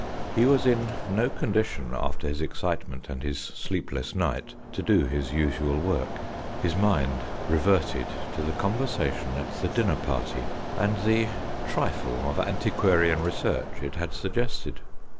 He was in no condition, after his excitement and his sleepless night, to do his usual work. His mind reverted to the conversation at the dinner party and the trifle of antiquarian research it had sug gested.